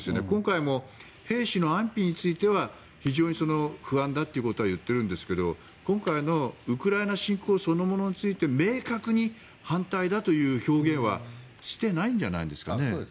今回も兵士の安否については非常に不安だということは言っているんですが今回のウクライナ侵攻そのものについて明確に反対だという表現はしてないんじゃないですかね。